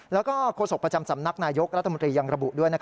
แล้วก็โฆษกประจำสำนักนายกรัฐมนตรียังระบุด้วย